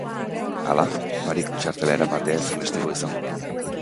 Hala, barik txartela eramatea ezinbestekoa izango da.